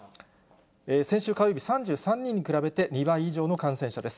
先週火曜日、３３人に比べて２倍以上の感染者です。